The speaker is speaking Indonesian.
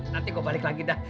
nanti gue balik lagi dah